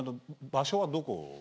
場所はどこ。